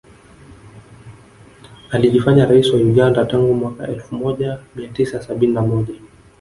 Alijifanya rais wa Uganda tangu mwaka elfu moja mia tisa sabini na moja